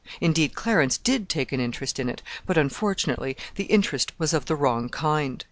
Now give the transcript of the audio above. Indeed, Clarence did take an interest in it, but, unfortunately, the interest was of the wrong kind.